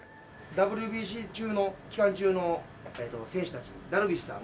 ＷＢＣ中の期間中の選手たちダルビッシュさん